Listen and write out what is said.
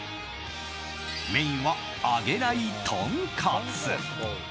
メインは揚げないとんかつ。